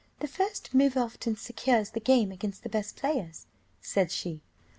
"The first move often secures the game against the best players," said she.